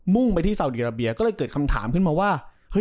่งไปที่สาวดีอาราเบียก็เลยเกิดคำถามขึ้นมาว่าเฮ้ย